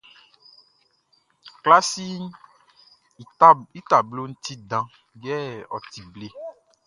Klasiʼn i tabloʼn ti dan yɛ ɔ ti ble.